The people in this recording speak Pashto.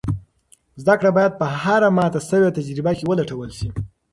زده کړه باید په هره ماته شوې تجربه کې ولټول شي.